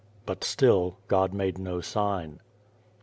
But still God made no sign.